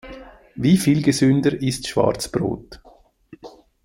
Wie viel gesünder ist Schwarzbrot?